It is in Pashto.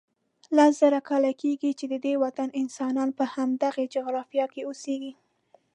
لس زره کاله کېږي چې ددې وطن انسانان په همدغه جغرافیه کې اوسیږي.